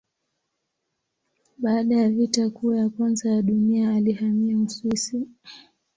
Baada ya Vita Kuu ya Kwanza ya Dunia alihamia Uswisi.